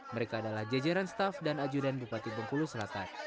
mereka adalah jajaran staff dan ajudan bupati bengkulu selatan